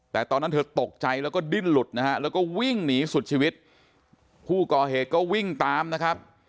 แต่ตอนนั้นเธอตกใจแล้วก็ดิ้นหลุดนะฮะแล้วก็วิ่งหนีสุดชีวิตผู้ก่อเหตุก็วิ่งตามนะครับ